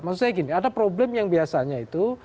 maksud saya gini ada problem yang biasanya itu